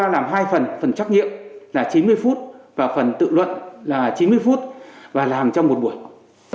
làm hai phần phần trắc nghiệm là chín mươi phút và phần tự luận là chín mươi phút và làm cho một buổi